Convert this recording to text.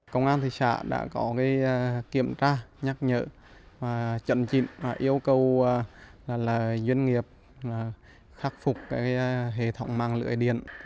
công an thị xã đã có kiểm tra nhắc nhở trận trị yêu cầu doanh nghiệp khắc phục hệ thống mang lưỡi điện